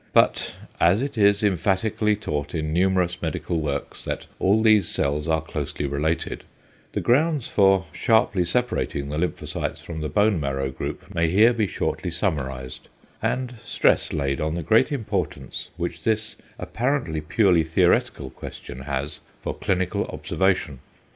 But as it is emphatically taught in numerous medical works that all these cells are closely related, the grounds for sharply separating the lymphocytes from the bone marrow group may here be shortly summarised, and stress laid on the great importance which this apparently purely theoretical question has for clinical observation.